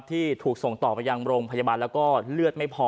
ที่ถูกส่งต่อไปยังโรงพยาบาลแล้วก็เลือดไม่พอ